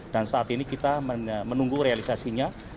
dan saat ini kita menunggu realisasinya